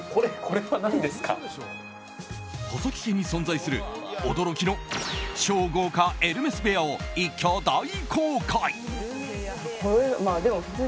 細木家に存在する驚きの超豪華エルメス部屋を一挙大公開。